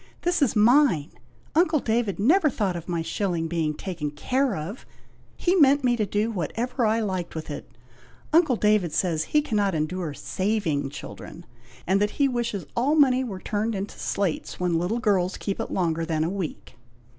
this is mine! Uncle David never thought of my shilling being taken care of! He meant me to do whatever I liked with it! Uncle David says he cannot endure saving children, and that he wishes all money were turned into slates, when little girls keep it longer than a week."